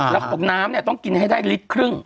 และของน้ำต้องกินให้ได้ลิตรครึ่ง